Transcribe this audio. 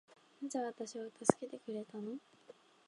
なぜ私を助けてくれたの